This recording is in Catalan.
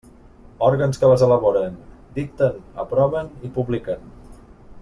Òrgans que les elaboren, dicten, aproven i publiquen.